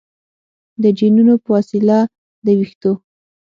د جینونو په وسیله د ویښتو